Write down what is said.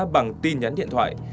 bằng tin nhắn điện thoại